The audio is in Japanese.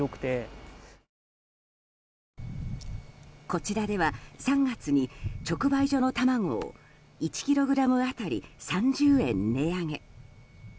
こちらでは３月に直売所の卵を１ｋｇ当たり３０円値上げ。